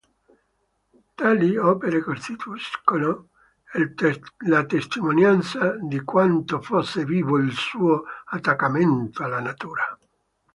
Tali opere costituiscono la testimonianza di quanto fosse vivo il suo attaccamento alla natura.